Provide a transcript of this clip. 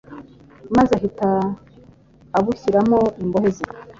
maze ahita abushyiramo imbohe ze.